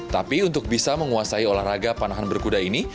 tapi untuk bisa menguasai olahraga panahan berkuda ini